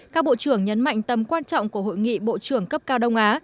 các bộ trưởng nhấn mạnh tầm quan trọng của hội nghị bộ trưởng cấp cao đông á